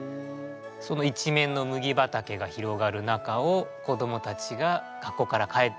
その一面の麦畑が広がる中を子どもたちが学校から帰っていく。